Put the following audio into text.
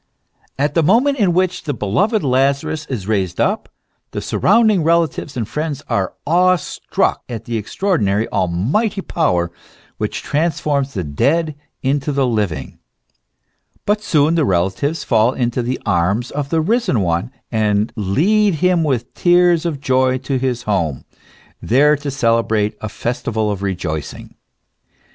At the moment in which the beloved Lazarus is raised up, the surrounding rela tives and friends are awe struck at the extraordinary, almighty power which transforms the dead into the living ; but soon the relatives fall into the arms of the risen one, and lead him with tears of joy to his home, there to celebrate a festival of rejoicing.